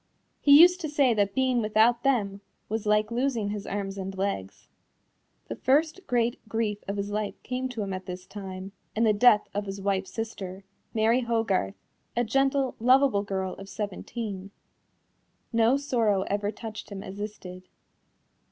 He used to say that being without them was "like losing his arms and legs." The first great grief of his life came to him at this time, in the death of his wife's sister, Mary Hogarth, a gentle, lovable girl of seventeen. No sorrow ever touched him as this did.